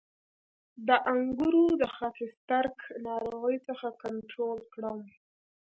د انګورو د خاکسترک ناروغي څنګه کنټرول کړم؟